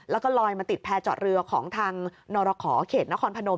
แล้วก็ลอยมาติดแพรเจาะเรือของทางนรขอเขตนครพนม